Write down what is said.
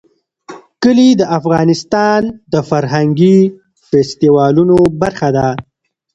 کلي د افغانستان د فرهنګي فستیوالونو برخه ده.